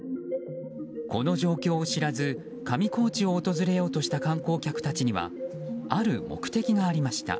この状況を知らず上高地を訪れようとした観光客たちにはある目的がありました。